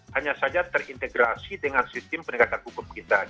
hanya saja terintegrasi dengan sistem penegakan hukum kita